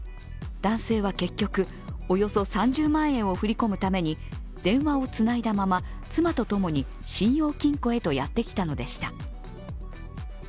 男性は結局、およそ３０万円を振り込むために電話をつないだまま妻とともに信用金庫へとやってきたのでした。